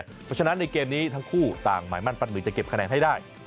เพราะฉะนั้นในเกมนี้ทั้งคู่ต่างหมายมั่นปัดมือจะเก็บคะแนนให้ได้